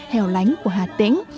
hẻo lánh của hà tĩnh